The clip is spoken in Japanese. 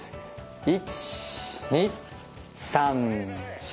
１２３４。